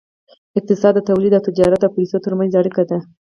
اقتصاد د تولید او تجارت او پیسو ترمنځ اړیکه ده.